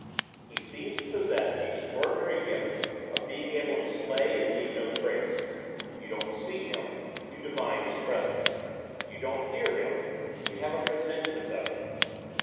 He seems to possess the extraordinary gift of being able to slay and leave no trace. You don't see him; you divine his presence: you don't hear him; you have a presentiment of him.